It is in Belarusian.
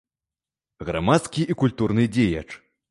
Грамадскі і культурны дзеяч.